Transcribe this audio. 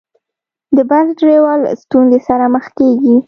د بس ډریور له ستونزې سره مخ کېږي.